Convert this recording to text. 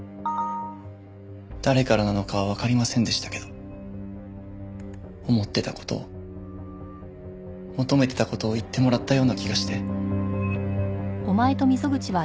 誰からなのかはわかりませんでしたけど思ってた事を求めてた事を言ってもらったような気がして。